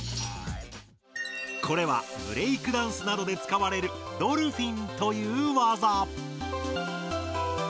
これはブレイクダンスなどで使われる「ドルフィン」というワザ。